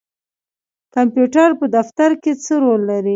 کمپیوټر په دفتر کې څه رول لري؟